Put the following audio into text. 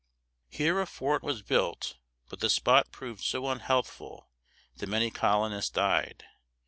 Here a fort was built; but the spot proved so unhealthful that many colonists died.